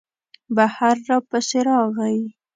بهر را پسې راغی.